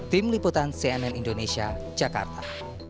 tim liputan cnn indonesia jakarta